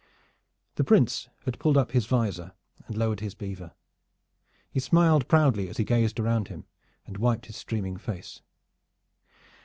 The Prince had pulled up his visor and lowered his beaver. He smiled proudly as he gazed around him and wiped his streaming face.